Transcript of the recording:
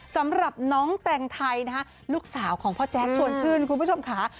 สำหรับน้องแต่งไทยนะคะลูกสาวของพ่อแจ๊คชวนชื่นคุณผู้ชมค่ะ